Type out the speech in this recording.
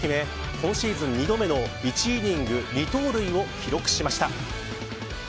今シーズン２度目の１イニング２盗塁を記録しました。